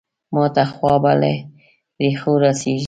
ماته خوا به له رېښو راخېژي.